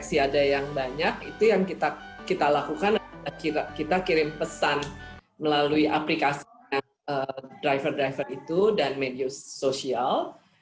masih ada yang banyak itu yang kita lakukan adalah kita kirim pesan melalui aplikasi driver driver itu dan media sosial